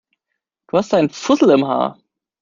Du hast da einen Fussel im Haar.